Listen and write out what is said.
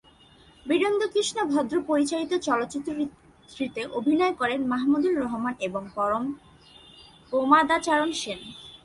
বীরেন্দ্রকৃষ্ণ ভদ্র পরিচালিত চলচ্চিত্রটিতে অভিনয় করেন মাহমুদুর রহমান এবং প্রমদাচরণ সেন।